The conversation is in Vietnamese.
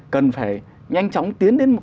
cần phải nhanh chóng tiến đến một